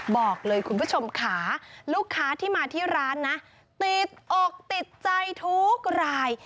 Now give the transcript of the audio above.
บอกเลยคุณผู้ชมค่ะลูกค้าที่มาที่ร้านนะติดอกติดใจทุกราย